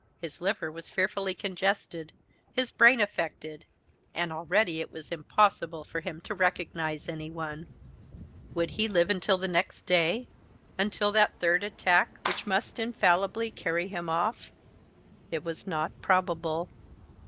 His liver was fearfully congested, his brain affected, and already it was impossible for him to recognize any one. Would he live until the next day, until that third attack which must infallibly carry him off? It was not probable.